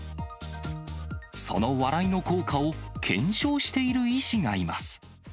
その笑いの効果を検証している医師がいます。